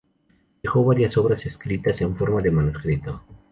Dejó varias obras escritas en forma de manuscrito.